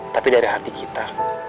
tapi dari hati kita